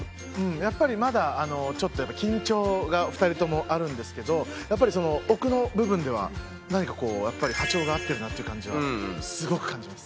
やっぱりまだちょっとやっぱり奥の部分では何かこう波長が合ってるなっていう感じはすごく感じます。